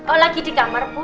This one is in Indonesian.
oh lagi di kamar bu